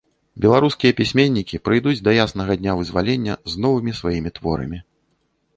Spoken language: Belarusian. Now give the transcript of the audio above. Беларускія пісьменнікі прыйдуць да яснага дня вызвалення з новымі сваімі творамі.